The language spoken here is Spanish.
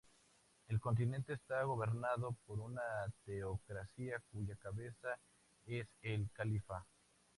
El continente está gobernado por una teocracia cuya cabeza es el Califa.